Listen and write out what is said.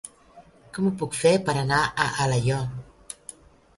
Com ho puc fer per anar a Alaior?